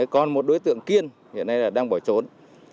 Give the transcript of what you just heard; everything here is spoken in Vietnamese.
còn một đối tượng kiên đang bỏ trốn